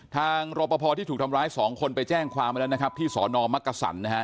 ทางรบพอที่ถูกทำร้าย๒คนไปแจ้งความแล้วนะครับที่สอนอมมักกะสั่นนะครับ